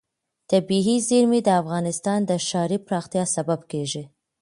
طبیعي زیرمې د افغانستان د ښاري پراختیا سبب کېږي.